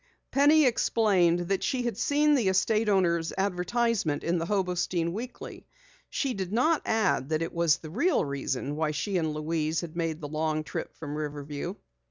Penny explained that she had seen the estate owner's advertisement in the Hobostein Weekly. She did not add that it was the real reason why she and Louise had made the long trip from Riverview.